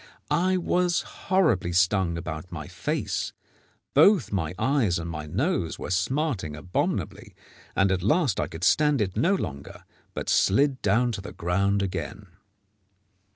I was horribly stung about my face, both my eyes and my nose were smarting abominably, and at last I could stand it no longer, but slid down to the ground again.